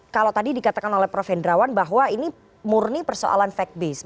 kalau tadi dikatakan oleh prof hendrawan bahwa ini murni persoalan fact base